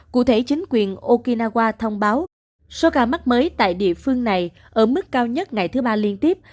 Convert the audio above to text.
cụ thể chính quyền okinawa thông báo số ca mắc mới tại địa phương này ở mức cao nhất ngày thứ ba liên tiếp